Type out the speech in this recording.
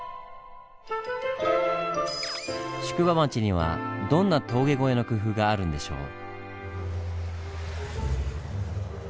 宿場町にはどんな峠越えの工夫があるんでしょう？